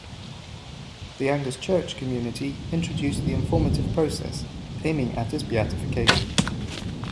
The Angers Church Community introduced the informative process, aiming at his beatification.